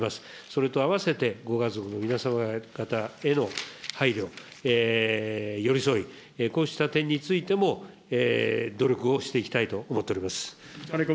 それと併せてご家族の皆様方への配慮、寄り添い、こうした点についても、努力をしていきたいと思っております。